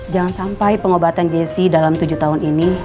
jangan sampai pengobatan jessi dalam tujuh tahun ini